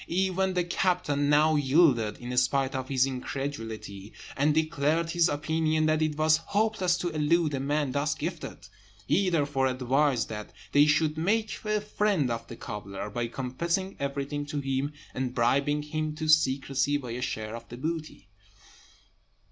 Even the captain now yielded, in spite of his incredulity, and declared his opinion that it was hopeless to elude a man thus gifted; he therefore advised that they should make a friend of the cobbler, by confessing everything to him, and bribing him to secrecy by a share of the booty.